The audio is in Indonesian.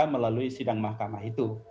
melalui sidang mahkamah itu